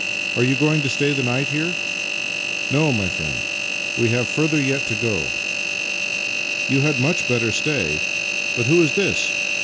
" Are you going to stay the night here? "" No, my friend. We have further to go yet." " You had much better stay. But who is this?